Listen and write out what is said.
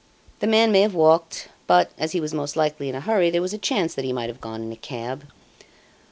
The man may have walked; but, as he was most likely in a hurry, there was a chance that he might have gone in a cab.